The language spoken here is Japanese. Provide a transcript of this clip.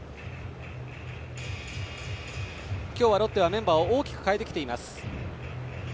今日はロッテはメンバーを大きく変えてきています。